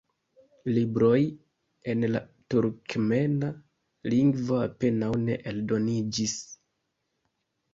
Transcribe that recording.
Libroj en la turkmena lingvo apenaŭ ne eldoniĝis.